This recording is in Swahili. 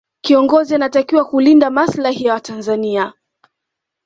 kiongozi anatakiwa kulinde masilahi ya watanzania